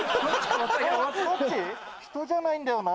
人じゃないんだよな。